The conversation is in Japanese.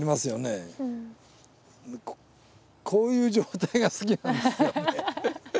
こういう状態が好きなんですよね。